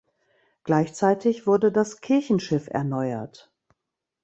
Gleichzeitig wurde das Kirchenschiff erneuert.